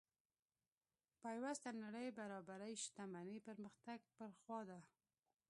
پیوسته نړۍ برابرۍ شتمنۍ پرمختګ پر خوا ده.